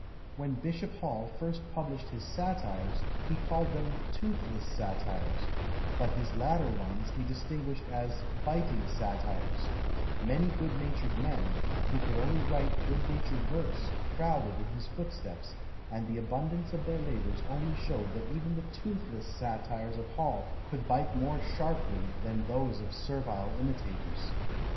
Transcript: When Bishop Hall first published his satires, he called them "Toothless Satires," but his latter ones he distinguished as "Biting Satires;" many good natured men, who could only write good natured verse, crowded in his footsteps, and the abundance of their labours only showed that even the "toothless" satires of Hall could bite more sharply than those of servile imitators.